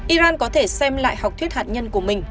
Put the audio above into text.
iran có thể xem lại học thuyết hành vi của iran